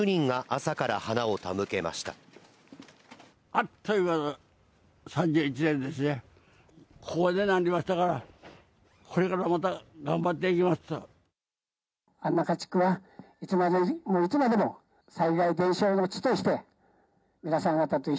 ここまでなりましたから、これからまた頑張っていきますと。